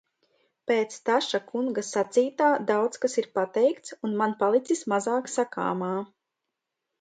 Pēc Staša kunga sacītā daudz kas ir pateikts un man palicis mazāk sakāmā.